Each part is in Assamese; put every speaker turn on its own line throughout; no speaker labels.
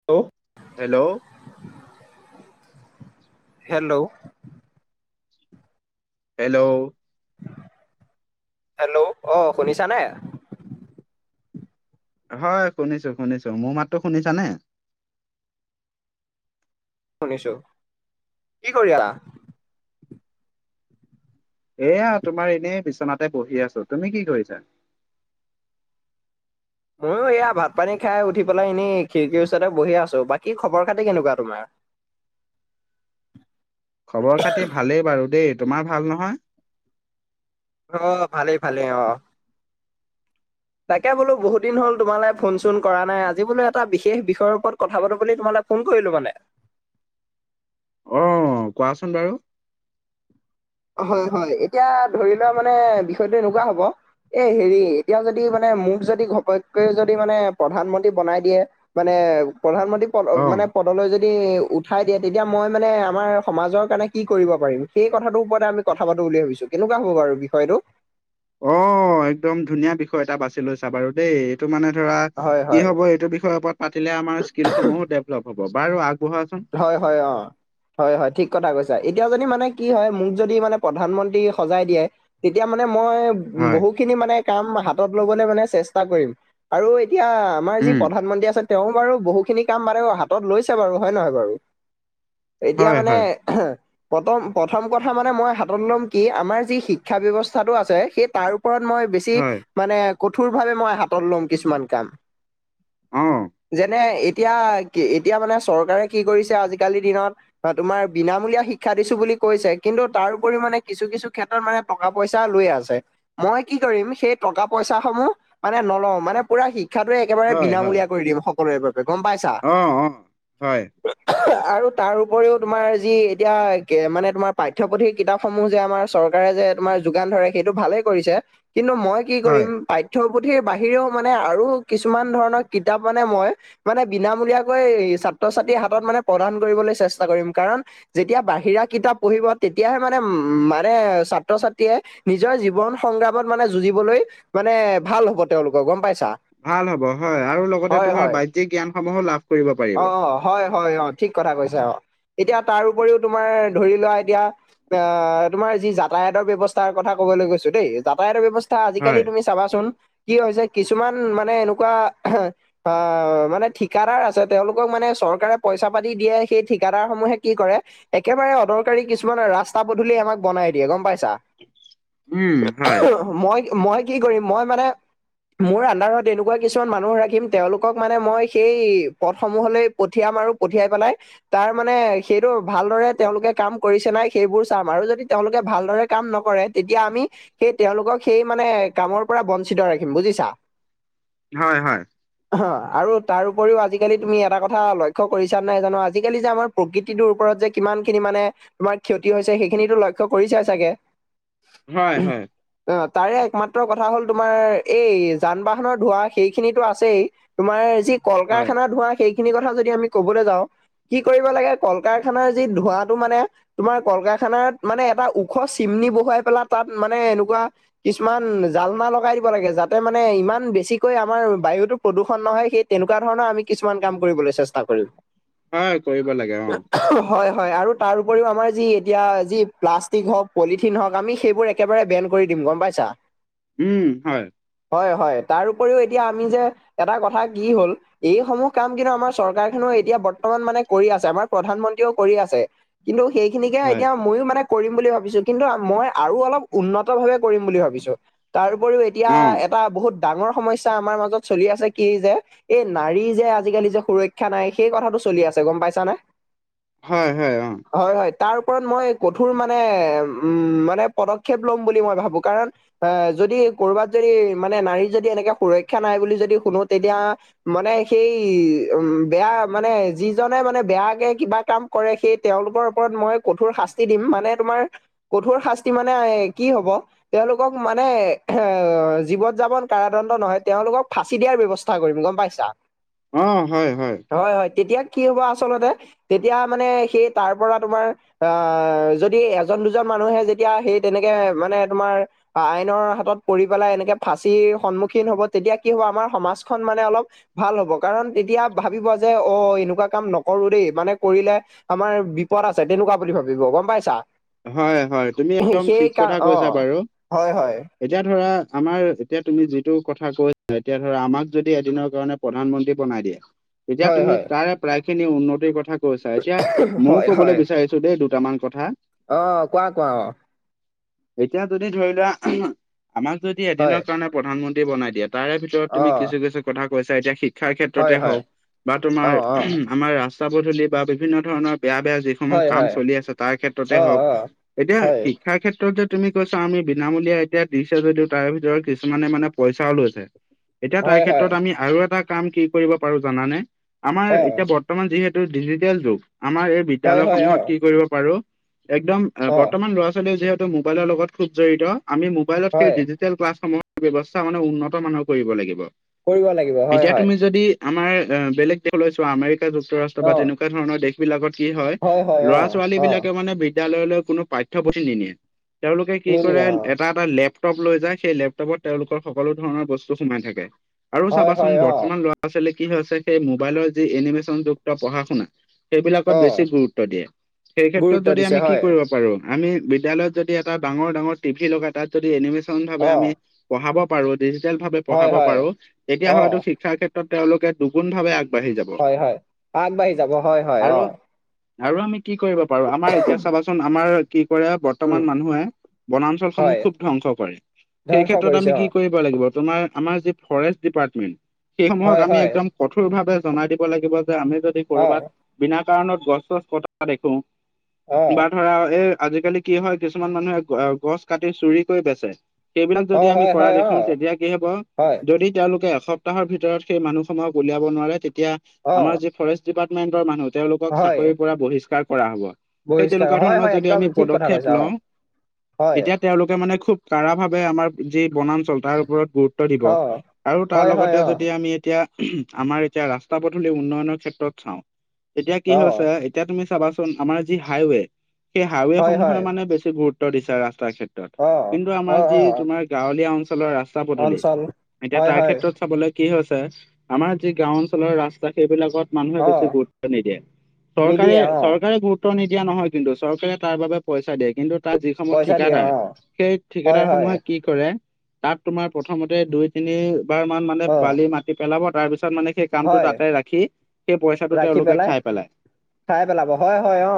[unintelligible]
হেল্ল',
হেল্ল',
হেল্ল',
হেল্ল', অ, শুনিছানে?
হয়, শুনিছোঁ- শুনিছোঁ মোৰ মাততো শুনিছা নে?
শুনিছোঁ কি কৰি আ?
এয়া তোমাৰ এনেই বিচনাতে বহি আছো তুমি কি কৰিছা?
ময়ো এয়া ভাত পানী খাই উঠি পেলাই এনেই খিৰিকীৰ ওচৰতে বহি আছো বাকী খবৰ খাতি কেনেকুৱা তোমাৰ? [inaudible]
খবৰ খাতি ভালেই বাৰু দেই তোমাৰ ভাল নহয়?
অ, ভালেই-ভালেই অ, তাকে বোলো বহু দিন হ'ল তোমালে ফোন চোন কৰা নাই আজি বোলো এটা বিষয়ৰ ওপৰত কথা পাতো বুলি তোমালে ফোন কৰিলোঁ মানে।
অ, কোৱাচোন বাৰু?
হয় হয় এতিয়া ধৰি লোৱা মানে বিষয়টো এনেকুৱা হ'ব এই হেৰি এতিয়া যদি মানে মোক যদি ঘপককৈ যদি মানে প্ৰধানমন্ত্ৰী বনাই দিয়ে মানে প্ৰধানমন্ত্ৰী পদ মানে
অ'
পদলৈ যদি ই উঠাই দিয়ে তেতিয়া মই মানে আমাৰ সমাজৰ কাৰণে কি কৰিব পাৰিম সেই কথাটো ওপত তা আমি কথা পাতো বুলি ভাবিছো কেনেকুৱা হব বাৰু বিষয়টো
অ একদম ধুনীয়া বিষয় এটা বাছি লৈছা বাৰু দেই টো মানে ধৰা
হয়
কি
হয়
হব এইটো বিষয় ওপৰত পাতিলে আমাৰ স্কীলসমূহ ডেভ লব হ'ব বাৰু আগবঢ়াচোন
হয় হয় অ হয় হয় ঠিক কথা কৈছা এতিয়া যদি মানে কি হয় মোক যদি মানে প্ৰধানমন্ত্ৰী সজাই দিয়ে তেতিয়া মানে মই
হয়
বহু খিনি মানে কাম হাতত লবলৈ মানে চেষ্টা কৰিম আৰু এতিয়া আমাৰ যি
উম
প্ৰধানমন্ত্ৰী আছে তেওঁ বাৰু বহুখিনি কাম বাৰু হাতত লৈছে বাৰু হয় নহয় বাৰু এতিয়া
হয়
মানে
হয়
প্ৰতম প্ৰথম কথা মানে মই হাতত ল'ম কি আমাৰ যি শিক্ষা ব্যৱস্থাটো আছে সেই তাৰ ওপৰত মই বেছি
হয়
বেছি মানে কঠোৰ ভাৱে মই হাতত লম কিছুমান কাম
অ'
যেনে এতিয়া কি এতিয়া মানে চৰকাৰে কি কৰিছে আজিকালিৰ দিনত বা তোমাৰ বিনামূলীয়া শিক্ষা দিছো বুলি কৈছে কিন্তু তাৰউপৰিও মানে কিছু কিছু ক্ষেত্ৰত মানে টকা পইচা লৈ আছে মই কি কৰিম সেই টকা পইচা সমূহ মানে নলও মানে পুৰা শিক শিক্ষাটোৱে একেবাৰে
হয় হয়
বিনামূলীয়া কৰি দিম সকলোৰে বাবে গম পাইছা
অ অ হয়
[unintelligible] আৰু তাৰ উপৰিও তোমাৰ যি এতিয়া কে মানে তোমাৰ পাঠ্যপুথিৰ কিতাপসমূহ যে আমাৰ চৰকাৰে যে তোমাৰ যোগান ধৰে সেইটো ভালে কৰিছে কিন্তু মই কি
হয়
কৰিম পাইত ঠ্যপুথিৰ বাহিৰেও মানে আৰু কিছুমান ধৰণৰ কিতাপ মানে মই মানে বিনামূলীয়াকৈ ছাত্ৰ ছাত্ৰীৰ হাতত মানে প্ৰদান কৰিবলৈ চেষ্টা কৰিম কাৰণ যেতিয়া বাহিৰা কিতাপ পঢ়িব তেতিয়াহে মানে উম মানে ছাত্ৰ ছাত্ৰীয়ে, নিজৰ জীৱন সংগ্ৰামত মানে যুঁজিবলৈ মানে ভাল হব তেওঁওলোকৰ গম পাইছা
ভাল হ'ব হয় আৰু লগতে
হয়
তোমাৰ
হয়
বাহ্যিক জ্ঞানসমূহো লাভ কৰিব পাৰিব
অ অ হয় হয় অ ঠিক কথা কৈছে অ তাৰ উপৰিও তোমাৰ ধৰি লোৱা এতিয়া অ তোমাৰ যি যাতায়াতৰ ব্যৱস্থাৰ কথা কবলৈ গৈছো দেই যাতায়াতৰ ব্যৱস্থা আজিকালি
হয়।
তুমি চাবাচোন কি হৈছে কিছুমান মানে এনুকা আ মানে ঠিকাদাৰ আছে তেওঁলোকক মানে চৰকাৰে পইচা পাতি দিয়ে সেই ঠিকাদাৰ সমূহে কি কৰে, একেবাৰে অদৰকাৰী কিছুমান ৰাস্তা পদূলি আমাক বনাই দিয়ে গম পাইছা।
উম হয়
মই মই কি কৰিম মই মানে, মোৰ আনদাৰত এনেকুৱা কিছুমান মানুহ ৰাখিম তেওঁলোকক মানে মই সেই, পথসমূহলৈ পঠিয়াম আৰু পঠিয়াই পেলাই তাৰ মানে সেইটো ভালদৰে তেওঁলোকে কাম কৰিছে নাই সেইবোৰ চাম আৰু যদি তেওঁলোকে ভালদৰে কাম নকৰে, তেতিয়া আমি সেই তেওঁলোকক সেই মানে কামৰ পৰা বঞ্চিত ৰাখিম বুজিছা,
হয় হয়।
অ আৰু তাৰ উপৰিও আজি আজিকালি তুমি এটা কথা লক্ষ্য কৰিছা নাই জানো আজিকালি যে আমাৰ প্ৰকৃতিটোৰ ওপৰত যে কিমান খিনি মানে, তোমাৰ ক্ষতি হৈছে সেইখিনিতো লক্ষ্য কৰিচাই চাগে?
হয় হয়।
অ তাৰে একমাত্ৰ কথা হল তোমাৰ এই যান বাহনৰ ধোঁৱা সেইখিনিতো আছেই, তোমাৰ যি কল
হয়
কাৰখানা ধোঁৱা সেইখিনি কথা যদি আমি কবলৈ যাওঁ কি কৰিব লাগে কল কাৰখানাৰ যি ধোৱটো মানে তোমাৰ কল কাৰখানাত মানে এটা ওখ চিমনি বহুৱাই পেলাই তাত মানে এনেকুৱা কিছুমান জালনা লগাই দিব লাগে যাতে মানে ইমান বেছিকৈ আমাৰ বায়ুতো প্ৰদূষণ নহয় সেই তেনেকুৱা ধৰণৰ আমি কিছুমান কাম কৰিবলৈ চেষ্টা কৰিম।
হয়, কৰিব লাগে অ,
হয় হয়, আৰু তাৰ উপৰিও আমাৰ যি এতিয়া যি প্লাষ্টিক হওঁক পলিথিন হওঁক আমি সেইবোৰ এ একেবাৰে বেন কৰি দিম, গম পাইছা?
উম, হয়,
হয় হয়, তাৰ উপৰিও এতিয়া আমি যে, এটা কথা কি হ'ল এইসমূহ কাম কিন্তু আমাৰ চৰকাৰ খনেও এতিয়া বৰ্তমান মানে কৰি আছে, আমাৰ প্ৰধানমন্ত্ৰীও কৰি আছে। কিন্তু সেইখিনিকে
হয়
এতিয়া মইয়ো মানে কৰিম বুলি ভাবিছো কিন্তু মই আৰু অলপ উন্নত ভাৱে কৰিম বুলি ভাবিছো তাৰ উপৰিও এতিয়া
অ
এটা বহুত ডাঙৰ সমস্যা আমাৰ মাজত চলি আছে কি যে, এই নাৰী যে আজিকালি যে সুৰক্ষা নাই সেই কথাটো চলি আছে, গম পাইছা নে?
হয়, হয়, অ,
হয় হয়, তাৰ ওপৰত মই কঠোৰ মানে, উম, মানে পদক্ষেপ ল'ম বুলি মই ভাবো কাৰণ এ যদি ক'ৰবাত যদি মানে নাৰীৰ যদি এনেকে সুৰক্ষা নাই বুলি যদি শুনো তেতিয়া মানে সেই উম, বেয়া মানে যিজনে মানে বেয়াকে কিবা কাম কৰে সেই তেওঁলোকৰ ওপৰত মই কঠোৰ শাস্তি দিম মানে তোমাৰ কঠোঁৰ শাস্তি মানে কি হব তেওঁলোকক মানে এ জীৱন যাপন কাৰাদণ্ড নহয়, তেওঁওলোকক ফাঁচি দিয়াৰ ব্যৱস্থা কৰিম গম পাইছ [unintelligible]
উম, হয় হয়,
হয় হয়, তেতিয়া কি হ'ব আচলতে, তেতিয়া মানে সেই তাৰ পৰা তোমাৰ আহ যদি এজন দুজন মানুহে যেতিয়া সেই তেনেকে মানে তোমাৰ বা আইনৰ হাতত পৰি পেলাই এনেকে ফাঁচিৰ সন্মুখীন হব তেতিয়া কি হ'ব আমাৰ সমাজখন মানে অলপ ভাল হ'ব কাৰণ তেতিয়া ভাবিব যে অ, এনেকুৱা কাম নকৰোঁ দেই মানে কৰিলে আমাৰ বিপদ আছে তেনেকুৱা বুলি ভাবিব, গম পাইছা?
হয় হয়, তুমি একদম
সেই
ঠিক
কাৰ
কথা
অ
কৈছা বাৰু।
হয় হয়
এতিয়া ধৰা আমাৰ এতিয়া তুমি যিটো কথা কৈছা, এতিয়া ধৰা আমাক যদি এদিনৰ কাৰণে প্ৰধানমন্ত্ৰী বনাই দিয়ে। এতিয়া
হয়
তুমি
হয়
তাৰে প্ৰায় খিনি উন্নতিৰ কথা কৈছা এতিয়া,
হয়
মইও
হয়
কৰিলৈ বিচাৰিছ ছোঁ দেই দুটামান কথা।
অ', কোৱা কোৱা।
এতিয়া যদি ধৰি লোৱা, আমাক যদি
হয়
এদিনৰ কাৰণে প্ৰধানমন্ত্ৰী বনাই দিয়ে। তাৰে ভিতৰত
অ
তুমি কিছু কিছু কথা কৈছা এতিয়া শিক্ষাৰ
হয়
ক্ষেত্ৰতে
হয়
হওক, বা
অ
তোমাৰ
অ
আমাৰ ৰাস্তা পদূলি বা বিভিন্ন ধৰণৰ বেয়া বেয়া যিসমূহ
হয়
কাম
হয়
চলি আছে তাৰ
অ
ক্ষেত্ৰতে
অ
হওক। এতিয়া
হয়
[unintelligible] শিক্ষাৰ ক্ষেত্ৰতে তুমি কৈছা আমি বিনামূলীয়া এতিয়া দিছে যদিও তাৰে ভিতৰত কিছুমানে মানে পইচাও লৈছে।
[unintelligible]
এতিয়া তাৰ
হয়
ক্ষেত্ৰত আমি আৰু এটা কাম কি কৰিব পাৰো জানানে, আমাৰ
অ
এতিয়া বৰ্ত বৰ্তমান যিহেতু ডিজিটেল যুগ, আমাৰ এই
হয়
বিদ্যয়ালয়ত
হয় অ
সমূহত কি কৰিব পাৰো একদম,
অ
বৰ্তমান ল'ৰা ছোৱালীও যিহেতু মোবাইলৰ লগত খুব জড়িত, আমি মোবাইলত সেই
হয়
ডিজি টেল ক্লাছসমূহৰ ব্যৱস্থা মানে উন্নত মানহৰ কৰিব লাগিব,
কৰিব লাগিব হয়
এতিয়া
হয়
তুমি যদি আমাৰ বেলেগ দেশলৈ চোৱা আমেৰিকা যুক্তৰাষ্ট্ৰ বা
অ
তেনেকুৱা ধৰণৰ দেশ। বিলাকত কি হয়,
হয় অ
ল'ৰা ছোৱালী
অ
বিলাকে মানে বিদ্যালয়লৈ কোনো পাঠ্যপুথি নিনিয়ে। তেওঁলোকে কি কৰে
নিনিয়ে অ
এটা এটা লেপটপ লৈ যায় সেই লেপটপত তেওঁলোকৰ সকলো ধৰণৰ বস্তু সোমাই থাকে। আৰু
হয়
চাবাচোন
হয় অ
বৰ্তমান ল'ৰা ছোৱালী কি হৈছে সেই মোবাইলৰ যি এনিমেশচন যুক্ত পঢ়া শুনা
অ
সেইবিলাকত বেছি গুৰুত্ব দিয়ে, সেই ক্ষেত্ৰত
গুৰুত্ব
যদি
দিছে
আমি
হয়
পাৰোঁ, আমি বিদ্যলয়ত যদি এটা ডাঙৰ ডাঙৰ টি ভিত লগাই তাত যদি এনিমেশন ভাবে
অ
আমি পঢ়াব পাৰো ডিজিটেল ভাৱে
হয়
পঢ়াব
হয়
পাৰো, তেতিয়া
অ
হয়তো শিক্ষাৰ ক্ষেত্ৰত তেওঁলোকে দুগুণ ভাৱে আগবাঢ়ি যাব।
হয়-হয় আগবাঢ়ি যাব, হয়-হয়
আৰু
অ',
আৰু আমি কি কৰিব পাৰো আমাৰ এতিয়া চাবাচোন আমাৰ কি কৰে।
উম
বৰ্তমান মানুহে
হয়
বনাঞ্চলসমূহ খুব ধ্বংস কৰে সেই
ধ্বংস
ক্ষেত্ৰত
কৰিছে
আমি
অ
কি কৰিম কৰিব লাগিব তোমাৰ আমাৰ জি ফ্ৰৰেষ্ট দিপাটমেট
হয়
সময়ত আমি
হয়
একদম। কঠোৰ ভাৱে জনাই দিব লাগিব যে আমি যদি
অ
কৰবাত বিনা কাৰণত গছ-চছ কটা দেখো।
অ
বা ধৰা এই আজিকালি কি হয় কিছুমান মানুহে গছ কাটি চুৰি কৰি বেচে। সেইবিলাক
অ
যদি আমি
হয়
কৰা
হয় অ
দেখো। তেতিয়া কি হব
হয়
যদি তেওঁলোকে এস সপ্তাহৰ ভিতৰত সেই মানুহ সমূহক উলিয়াব নোৱাৰে, তেতিয়া
অ
আমাৰ যি ফৰেষ্ট ডিপাৰ্টমেন্টৰ মানুহ তেওঁলোকক
হয়
চাকৰিৰ পৰা বহিষ্কাৰ কৰা হ'ব। সেই
বহিষ্কাৰ
তেনেকুৱা
হয়
ধৰণৰ
হয়
যদি
একদম
আমি
ঠিক কথা
পদক্ষেপ
কৈছা অ
লওঁ
হয়
তেতিয়া। তেওঁলোকে মানে খুব কাৰাভাৱে আমাৰ যি বনাঞ্চল তাৰ ওপৰত গুৰুত্ব গুৰুত্ব দিব
অ
আৰু। তাৰ
হয় হয়
লগতে
অ
যদি আমি এতিয়া আমাৰ এতিয়া ৰাস্তা পদূলি উন্নয়নৰ ক্ষেত্ৰত চাওঁ এতিয়া কি
অ
হৈছে। এতিয়া তুমি চাবাচোন আমাৰ যি হাইৱে সেই হাইৱে
হয়
সমূহে
হয়
মানে বেছি গুৰুত্ব দিছে ৰাস্তাৰ ক্ষেত্ৰত।
অ
কিন্তু
অ
আমাৰ যি
অ
তোমাৰ গাঁৱলীয়া অঞ্চলৰ ৰা ৰাস্তা-পদূলি
অঞ্চল
এতিয়া
হয়
তাৰ
হয়
ক্ষেত্ৰত চাবলে কি হৈছে আমাৰ যি গাঁও অঞ্চলৰ ৰাস্তা সেইবিলাকত? মানুহে
অ
বেছি গুৰুত্ব নিদিয়ে
নিদিয়ে অ
চৰকাৰে-চৰকাৰে গুৰুত্ব। নিদিয়া নহয় কিন্তু চৰকাৰে তাৰ বাবে পইচা দিয়ে কিন্তু এটা যিসমূহ
পইচা দিয়ে
ঠিকাদাৰ
অ
সেই
হয়
ঠিকাদাৰ
হয়
সমূহে কি কৰে তাত তোমাৰ প্ৰথমতে দুই তিনিবাৰ মান মানে
অ
বালি মাতি পেলাব তাৰ পিছত মানে। সেই কামটো
হয়
তাতে ৰাখি সেই পইচাটো তেওঁলোকে খাই পেলাই।
খাই পেলাব হয়-হয় অ,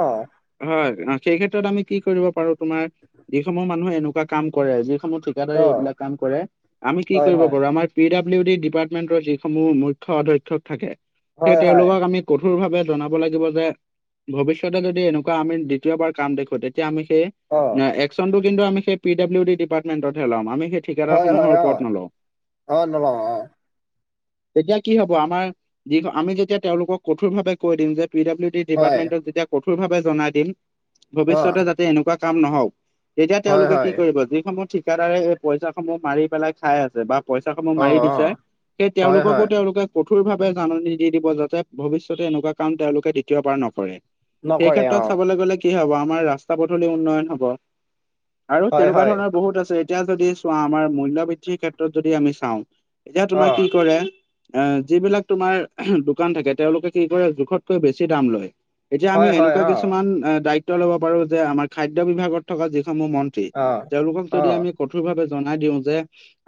হয়, সেই ক্ষেত্ৰত আমি কি কৰিব পাৰো তোমাৰ যিসমূহ মানুহে এনেকুৱা কাম কৰে যিসমূহ ঠিকাদৰে
অ
এইবিলাক কাম কৰে, আমি কি
হয়
কৰিব
হয়
পাৰো আমাৰ পি ডাব্লিউ ডি ডিপাৰ্টমেন্টৰ যিসমূহ মুখ্য অধ্যক্ষক থাকে।
হয়
সেই
হয়
তেওঁলোকক আমি কঠোৰভাৱে জনাব লাগিব যে ভৱিষ্যতে যদি এনেকুৱা আমি দ্বিতীয়বাৰ কাম দেখো, তেতিয়া আমি সেই
অ
এক একচন কিন্তু আমি সেই পি ডাবলি ডিাৰ্টমেটতহে' লম আমি। ঠিকাদাৰসমূহৰ
হয়-হয় অ,
ওপৰত নলওঁ
হয় নহয়।
তেতিয়া কি হব, আমাৰ যি আমি যেতিয়া তেওঁলোকক কঠোৰ ভাৱে কৈ দিম যে পি ডাব্লিউ ডি।
হয়
ডিপাৰ্টমেন্টক যেতিয়া কঠোৰ ভাৱে জনাই দিম
অ
ভৱিষ্যতে যাতে এনেকুৱা কাম নহওক। তেতিয়া
হয়
তেওঁলোকে কি
হয়
কৰিব যিসমূহ ঠিকাদাৰে এই পইচা সমূহ মাৰি পেলাই খাই আছে বা, পইচা সমূহ
অ
মাৰি
অ
দিছে সেই
হয়
তেওঁলোককো
হয়
তেওঁলোকে, কঠোৰ ভাৱে জাননী দি দিব যাতে ভৱিষ্যতে এনেকুৱা কাম তেওঁলোকে দ্বিতীয় পাৰ নকৰে। সেই
নকৰে
ক্ষেত্ৰত
অ
চাবলৈ গলে কি হব আমাৰ ৰাস্তা পদূলি উন্নয়ন হব। আৰু
হয়
তেনেকুৱা
হয়
ধৰণৰ বহুত আছে এতিয়া যদি চোৱা আমাৰ মূল্য বৃদ্ধিৰ ক্ষেত্ৰত যদি আমি চাওঁ, এতিয়া
অ
তোমাৰ কি কৰে এ যিবিলাক তোমাৰ দোকান থাকে তেওঁলোকে কি কৰে জোখতকৈ বেছি দাম লয়? এতিয়া আমি
হয় হয়
এনেকুৱা
অ
কিছুমান দায়িত্ব ল'ব পাৰো, যে আমাৰ খাদ্য বিভাগত থকা যিসমূহ মন্ত ন্ত্ৰী
অ
তেওঁলোকক
অ
যদি আমি কঠোৰ ভাৱে জনাই দিও যে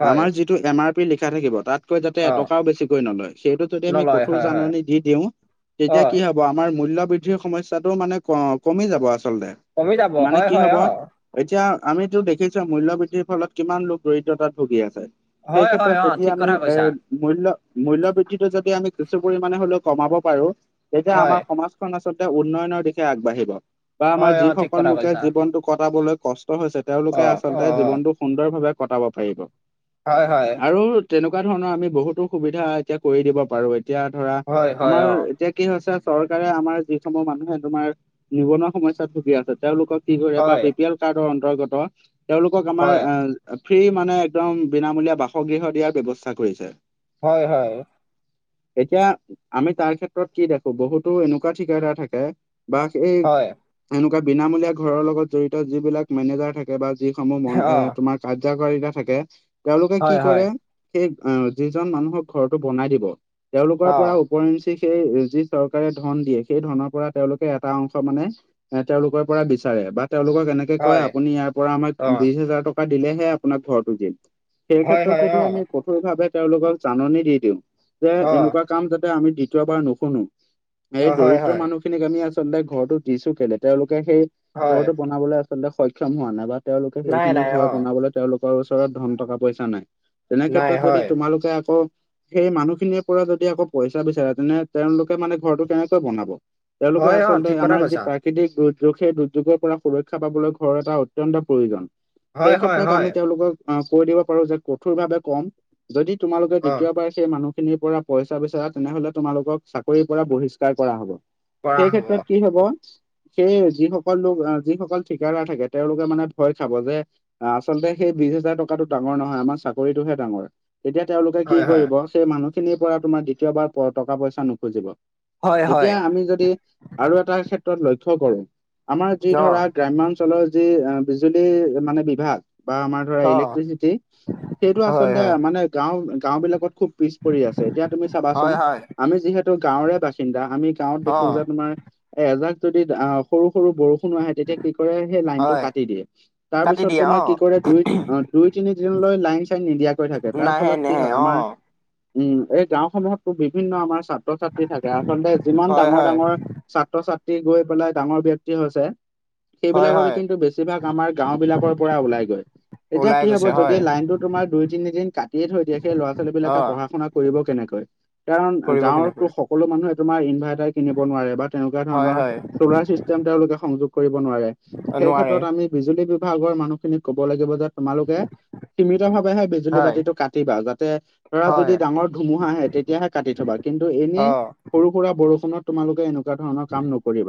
হয়
আমাৰ যিটো এম আৰ পি লিখা থাকিব তাত। কৈ যাতে
অ
এটকাও বেছিকৈ নলয় সেইটো যদি আমি
নলয়
কঠোৰ
হয় হয়
জাননী দি দিও
অ
তেতিয়া কি হব? আমাৰ মূল্য বৃদ্ধিৰ সমস্যাটো মানে ক কমি যাব আচলতে,
কমি যাব
মানে
হয়
কি
হয়
হব?
অ
এতিয়া আমিতো দেখিছো মূল্য বৃদ্ধিৰ ফলত কিমান লোক দৰিদ্ৰতাত ভুগি আছে। সেই
হয় হয়
ক্ষেত্ৰত
অ
যদি
ঠিক
আমি
কথা
এ,
কৈছা
মূল্য-মূল্য বৃদ্ধিটো যদি আমি কিছু পৰিমণে হ'লেও কমাব পাৰো, তেতিয়া
হয়
আমাৰ সমাজ খন আচলতে উন্নয়নৰ দিশে আগবাঢ়িব। বা আমাৰ
হয় অ
যি
ঠিক
সকল
কথা
লোকে
কৈছা
জীৱনতটো কটাবলৈ কষ্ট হৈছে
অ
তেওঁওলোকে
অ
আচলতে জীৱনটো সুন্দৰ ভাৱে কটাব পাৰিব।
হয়-হয়।
আৰু তেনেকুৱা ধৰণৰ আমি বহুতো সুবিধা এতিয়া কৰি দিব পাৰো এতিয়া ধৰা
হয় হয়
আমাৰ
অ
এতিয়া কি হৈছে চৰকাৰে আমাৰ যিসমূহ মানুহে তোমাৰ নিবনুৱা সমস্যাত ভুগি আছে তেওঁলোকক কি কৰে বা
হয়
বি পি এল কাৰ্ডৰ অন্তৰ্গত তেওঁলোকক আমাৰ
হয়
এ ফ্ৰী মানে একদম বিনামূলীয়া বাসগৃহ দিয়াৰ ব্যৱস্থা কৰিছে
হয় হয়
এতিয়া আমি তাৰ ক্ষেত্ৰত কি দেখো বহুতো এনেকুৱা ঠিকদাৰ থাকে বা সেই
হয়
এনেকুৱা বিনামূলীয়া ঘৰৰ লগত জড়িত যিবিলাক মেনেজাৰ থাকে বা যিসমূহ ম
অ
এ তোমাৰ কাৰ্যকাৰিতা থাকে তেওঁলোকে
হয়
কি
হয়
কৰে সেই আহ যিজন মানুহক ঘৰতো বনাই দিব তেওঁলোকৰ
অ
পৰাও ওপৰঞ্চি সেই যি চৰকাৰে ধ ধন দিয়ে সেই ধনৰ পৰা তেওঁলোকে এটা অংশ মানে এ তেওঁলোকৰ পৰা বিচাৰে বা তেওঁলোকক এনেক কয়
হয়
আপুনি ইয়াৰ পৰা আমাক
অ
বিছ হেজাৰ টকা দিলেহে আপোনাক ঘৰটো দিম সেই
হয়
ক্ষেত্ৰত
হয়
যদি
অ
আমি কঠোৰ ভাৱে তেওঁলোকক জাননী দি দিওঁ যে
অ
এনেকুৱা কাম যাতে আমি দ্বিতীয়বাৰ নুশুনো
অ
সেই
হয়
দৰিদ্ৰ
হয়
মানুহ খিনিক আমি আচলতে ঘৰটো দিছো কেলে তেওঁলোকে সেই
হয়
ঘৰটো বন বনাবলে আচলতে সক্ষম হোৱা নাই বা তেওঁলোকে
নাই
সেইখিনি
নাই
ঘৰ
অ
বনাবলে তেওঁলোকৰ ওচৰত ধন টকা পইচা নাই তেনে
নাই
ক্ষেত্ৰত যদি
হয়
তোমালোকে আকৌ সেই মানুহখিনিৰ পৰা যদি আকৌ পইচা বিচাৰে তেনে তেওঁলোকে মানে ঘৰটো কেনেকৈ বনাব তেওঁলোকে
হয় অ
আচলতে
ঠিক কথা
আমাৰ যি
কৈছা
প্ৰৰ প্ৰাকৃতিক দুৰ্যোগ সেই দুৰ্যোগৰ পৰা সুৰক্ষা পাবলৈ ঘৰৰ এটা অত্যন্ত প্ৰয়োজন এই
হয় হয়
ক্ষেত্ৰত
হয়
আমি তেওঁলোকক কৈ দিব পাৰো যে কঠোৰভাৱে কম যদি তোমালোকে
অ
দ্বিতীয়বাৰ সেই মানুহ খিনিৰ পৰা পইচা বিচাৰা তেনেহলে তোমালোকক চাকৰিৰ পৰা বহিছ ষ্কাৰ কৰা হ'ব
পৰা
সেই
হ'ব
ক্ষেত্ৰত কি হব সেই যিসকল লোক আহ যিসকল ঠিকাদাৰ থাকে তেওঁলোকে মানে ভয় খাব যে আচলতে সেই বিছ হাজাৰ টকাটো ডাঙৰ নহয় আমাৰ চাকৰিটোহে ডাঙৰ। তেতিয়া তেওঁলোকে কি
হয় হয়
কৰিব সেই মানুহখিনিৰ পৰা তোমাৰ দ্বিতীয়বাৰ প টকা পইচা নুখুজিব
হয় হয়
এতিয়া আমি যদি আৰু এটা ক্ষেত্ৰত লক্ষ্য কৰো আমাৰ যি
অ
ধৰা গ্ৰাম্য অঞ্চলৰ যি আ বিজুলী মানে বিভাগ বা আমাৰ ধৰা
অ
ইলেক্ট্ৰিচিটি সেইটো
হয়
আচলতে
হয়
মানে গাওঁ গাওঁ বিলাকত খুব পিছ পৰি আছে এতিয়া তুমি চাবাচোন
হয় হয়
আমি যিহেতু গাঁৱৰে বাস সিন্দা আমি গাঁৱত
অ
দেখো যে তোমাৰ এজাক যদি আহ সৰু সৰু বৰষুণো আহে তেতিয়া কি কৰে সেই লাইনটো
হয়
কাটি দিয়ে তাৰ
কাটি
পিছত
দিয়া
তোমাৰ
অ
কি কৰে দুই অ দুই তিনিদিনলৈ লাইন চাইন নিদিয়াকৈ থাকে তাৰ
নাহে
ফলত কি
নাহে
হয়
অ
আমাৰ উম এই গাঁওসমূহতো বিভিন্ন আমাৰ ছাত্ৰ ছাত্ৰী ত্ৰী থাকে আচলতে যিমান
হয়
ডাঙৰ
হয়
ডাঙৰ ছাত্ৰ ছাত্ৰী গৈ পেলাই ডাঙৰ ব্যক্তি হৈছে
হয়
সেইবিলাকৰে
হয়
কিন্তু বেছিভাগ আমাৰ গাঁওবিলাকৰ পৰা ওলাই গৈ এতিয়া
ওলাই
কি হব
গৈছে
যদি
হয়
লাইনটো তোমাৰ দুই তিনিদিন কাটিয়ে থৈ দিয়ে সেই ল'ৰা ছোৱালী
অ
বিলাকে পঢ়া শুনা কৰিব কেনেকৈ কাৰণ
কৰিব
গাঁৱতো
কেনেকৈ
সকলো মানুহে তোমাৰ ইনভাইৰ্টাৰ কিনিব নোৱাৰে বা তেনেকুৱা
হয়
ধৰণৰ
হয়
চলাৰ চিষ্টেম তেওঁলোকে সংযোগ কৰিব নোৱাৰে সেই
নোৱাৰে
ক্ষেত্ৰত আমি বিজুলী বিভাগৰ মানুহখিনিক কব লাগিব যে তোমালোকে সীমিত ভাৱেহে বি জুলি
হয়
বাতিটো কাটিবা যাতে ধৰা
হয়
যদি ডাঙৰ ধুমুহা আহে তেতিয়াহে কাটি থবা কিন্তু এনেই
অ
সৰু সুৰা বৰষুণত তোমালোকে এনেকুৱা ধৰণৰ কাম নকৰিবা।